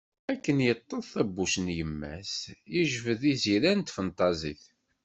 Akken yeṭṭeḍ tabbuct n yemma-s, yejbed iziran n tfenṭazit.